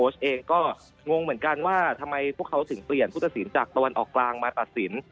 ทำไมพวกเขาถึงเปลี่ยนผู้ตัดสินจากตะวันออกกลางมาตัดสิน